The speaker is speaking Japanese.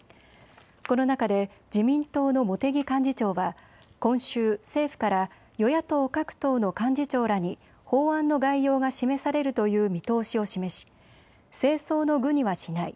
この中で自民党の茂木幹事長は今週、政府から与野党各党の幹事長らに法案の概要が示されるという見通しを示し政争の具にはしない。